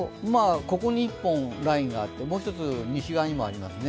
ここに１本、ラインがあってもう１つ西側にもありますね。